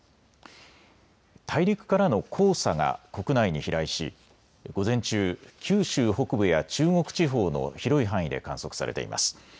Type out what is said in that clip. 大陸からの黄砂が国内に飛来し午前中、九州北部や中国地方の広い範囲で観測されています。